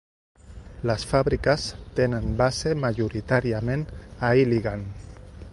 Les fàbriques tenen base majoritàriament a Iligan.